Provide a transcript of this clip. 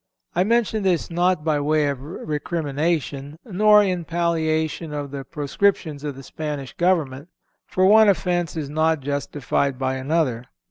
I mention this not by way of recrimination, nor in palliation of the proscriptions of the Spanish government; for one offence is not justified by another.